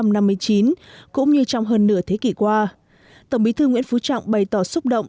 năm một nghìn chín trăm năm mươi chín cũng như trong hơn nửa thế kỷ qua tổng bí thư nguyễn phú trọng bày tỏ xúc động